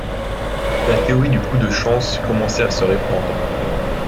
la théorie du coup de chance commençait à se répandre.